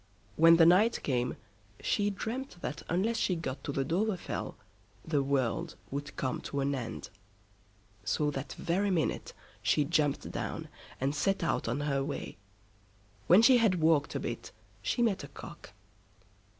When the night came, she dreamed that unless she got to the Dovrefell, the world would come to an end. So that very minute she jumped down, and set out on her way. When she had walked a bit she met a Cock.